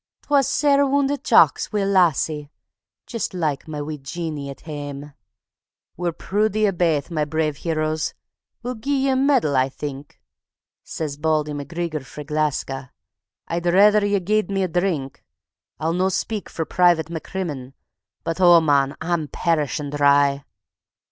Twa sair woundit Jocks wi' a lassie jist like ma wee Jeannie at hame. We're prood o' ye baith, ma brave heroes. We'll gie ye a medal, I think." Says Bauldy MacGreegor frae Gleska: "I'd raither ye gied me a drink. I'll no speak for Private MacCrimmon, but oh, mon, I'm perishin' dry.